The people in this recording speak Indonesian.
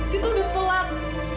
dia tuh udah telat